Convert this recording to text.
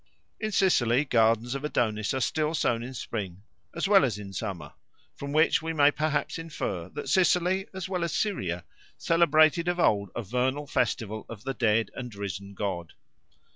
In Sicily gardens of Adonis are still sown in spring as well as in summer, from which we may perhaps infer that Sicily as well as Syria celebrated of old a vernal festival of the dead and risen god.